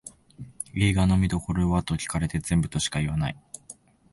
映画の見どころはと聞かれて全部としか言わない